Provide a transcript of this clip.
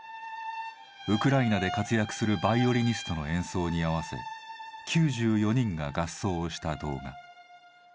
ウクライナで活躍するバイオリニストの演奏に合わせ９４人が合奏をした動画。